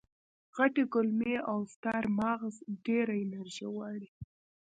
غټې کولمې او ستر ماغز ډېره انرژي غواړي.